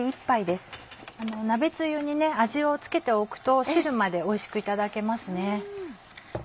鍋つゆに味を付けておくと汁までおいしくいただけますね。